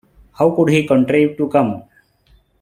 How could he contrive to come?